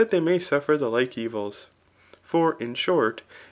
'they may suffer the: lil^eerik. « For, in short, it.